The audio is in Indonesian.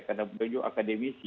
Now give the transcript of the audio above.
karena beliau juga akademisi